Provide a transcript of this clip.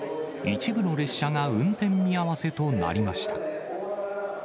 一部の列車が運転見合わせとなりました。